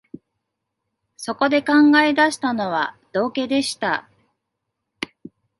そこで考え出したのは、道化でした